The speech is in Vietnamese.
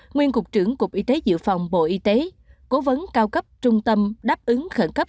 nguyên cục trưởng cục y tế dự phòng bộ y tế cố vấn cao cấp trung tâm đáp ứng khẩn cấp